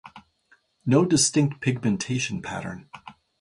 No distinct pigmentation pattern.